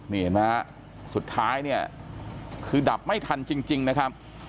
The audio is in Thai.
นี่สุดท้ายคือดับไม่ทันจริงนะครับ